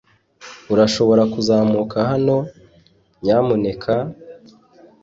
Urashobora kuzamuka hano, nyamuneka?